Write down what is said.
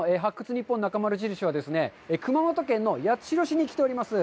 ニッポンなかまる印」はですね、熊本県の八代市に来ております。